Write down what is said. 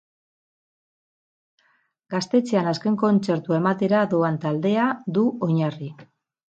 Gaztetxean azken kontzertua ematera doan taldea du oinarri.